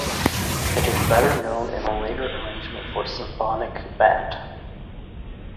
It is better-known in a later arrangement for symphonic band.